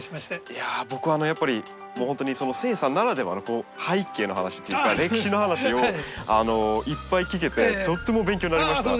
いや僕はやっぱりほんとにその誓さんならではの背景の話っていうか歴史の話をいっぱい聞けてとっても勉強になりました。